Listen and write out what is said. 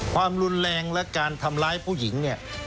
ความรุนแรงและการทำร้ายผู้หญิงเนี่ย